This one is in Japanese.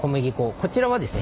こちらはですね